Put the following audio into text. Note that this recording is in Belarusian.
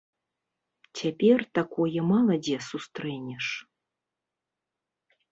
Цяпер такое мала дзе сустрэнеш.